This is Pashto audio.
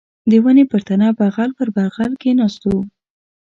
د ونې پر تنه بغل پر بغل کښېناستو.